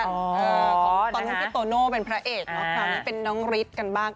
ตอนนั้นพี่โตโน่เป็นพระเอกเนอะคราวนี้เป็นน้องฤทธิ์กันบ้าง